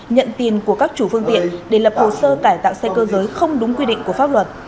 nhận tiền của các chủ phương tiện để lập hồ sơ cải tạo xe cơ giới không đúng quy định của pháp luật